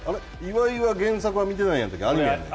岩井は原作は見てないんやったっけ？